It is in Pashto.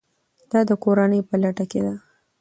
دا د کورنۍ په ګټه ده.